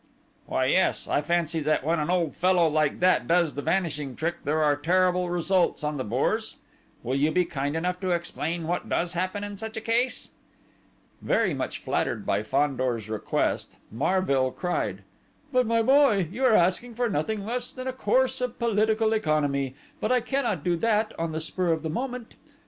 "Why, yes! I fancy that when an old fellow like that does the vanishing trick, there are terrible results on the Bourse? Will you be kind enough to explain what does happen in such a case?" Very much flattered by Fandor's request, Marville cried: "But, my boy, you are asking for nothing less than a course of political economy but I cannot do that on the spur of the moment!...